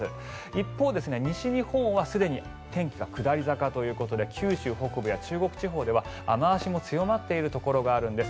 一方、西日本はすでに天気が下り坂ということで九州北部や中国地方では雨脚も強まっているところがあるんです。